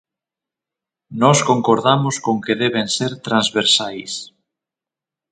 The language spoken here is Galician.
Nós concordamos con que deben ser transversais.